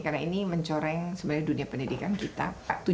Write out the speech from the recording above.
karena ini mencoreng sebenarnya dunia pendidikan kita